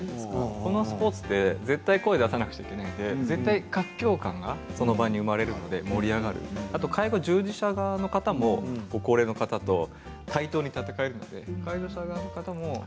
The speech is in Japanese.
このスポーツって絶対、声を出さないちゃいけないのでその場に活況感が生まれるので盛り上がる介護従事者側も高齢の方と対等に戦えるので。